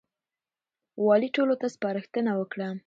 والي ټولو ته سپارښتنه وکړه.